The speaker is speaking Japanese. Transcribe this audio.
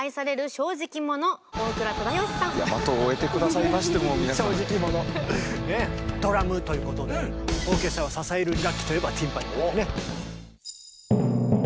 正直者ね。ドラムということでオーケストラを支える楽器といえばティンパニなんでね。